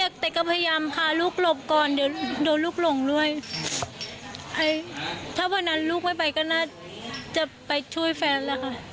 ก็น่าจะไปช่วยแฟนแล้วค่ะ